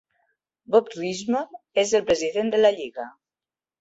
Bob Richmond és el president de la Lliga.